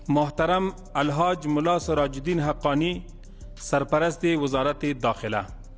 mahteram alhaj mullah surajuddin haqqani sarperest wazaratil dakila